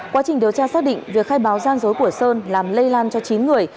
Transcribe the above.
quá trình điều tra xác định việc khai báo gian dối của sơn làm lây lan cho chín người